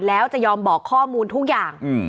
แล้วจะยอมบอกข้อมูลทุกอย่าง